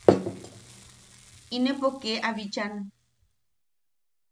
Inepo kee a bichan.